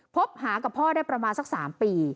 พบหากับพ่อได้ประมาณสัก๓ปี